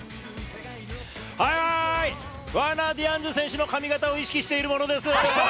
はいはーい、ワーナー・ディアンズ選手の髪形を意識している者です。